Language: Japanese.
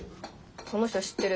その人知ってる。